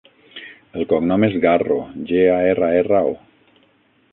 El cognom és Garro: ge, a, erra, erra, o.